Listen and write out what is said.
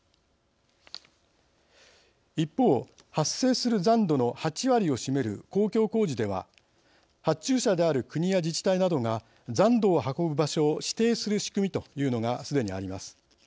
一方発生する残土の８割を占める公共工事では発注者である国や自治体などが残土を運ぶ場所を指定する仕組みというのがすでにあります。